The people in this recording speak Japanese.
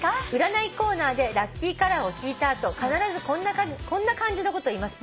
「占いコーナーでラッキーカラーを聞いた後必ずこんな感じのこと言います」